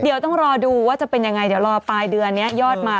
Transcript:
เดี๋ยวต้องรอดูว่าจะเป็นยังไงเดี๋ยวรอปลายเดือนนี้ยอดมา